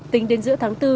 tính đến giữa tháng bốn